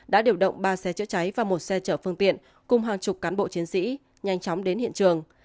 đã điều động ba xe chữa cháy và một xe chở phương tiện cùng hàng chục cán bộ chiến sĩ nhanh chóng đến hiện trường